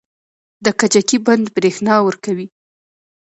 د کجکي بند بریښنا ورکوي